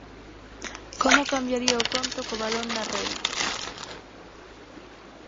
Como cambiaría o conto co balón na rede.